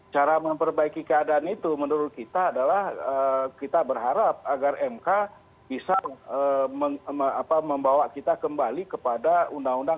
cara memperbaiki keadaan itu menurut kita adalah kita berharap agar mk bisa membawa kita kembali kepada undang undang